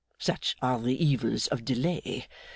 Such are the evils of delay.